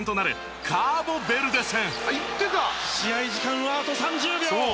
試合時間はあと３０秒！